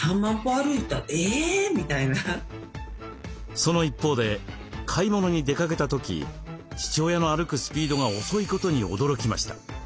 その一方で買い物に出かけた時父親の歩くスピードが遅いことに驚きました。